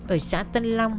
ở xã tân long